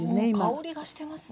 香りがしてます